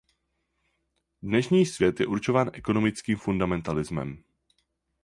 Dnešní svět je určován ekonomickým fundamentalismem.